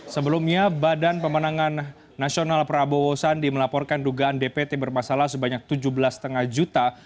sebelumnya badan pemenangan nasional prabowo sandi melaporkan dugaan dpt bermasalah sebanyak tujuh belas lima juta